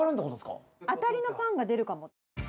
「当たりのパンが出るかも」